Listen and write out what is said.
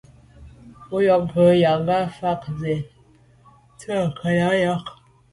Bwɔ́ŋkə̂’ lû nyágə̀ fáŋ â zît jū ncùndá ŋkɔ̀k.